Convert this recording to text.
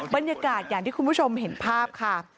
บรรยากาศอย่างที่คุณผู้ชมเห็นภาพค่ะ